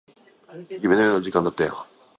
夢のような時間だったよ